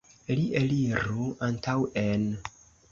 Li eliru antaŭen!